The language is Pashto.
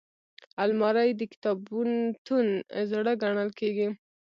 الماري د کتابتون زړه ګڼل کېږي